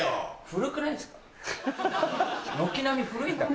古くないですか？